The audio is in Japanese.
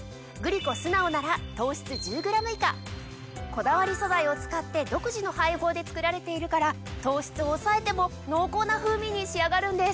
こだわり素材を使って独自の配合で作られているから糖質を抑えても濃厚な風味に仕上がるんです！